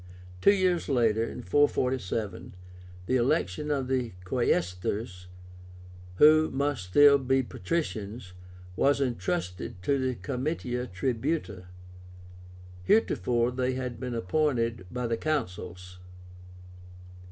Two years later (447), the election of the Quaestors, who must still be patricians, was intrusted to the Comitia Tribúta. Heretofore they had been appointed by the Consuls.